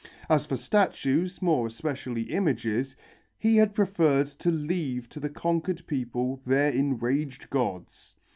As for statues, more especially images, he had preferred to leave to the conquered people "their enraged gods."